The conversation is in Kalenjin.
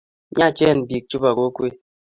Miachen pik chu po kokwet.